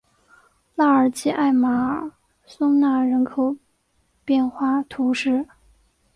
拉尔吉艾马尔松奈人口变化图示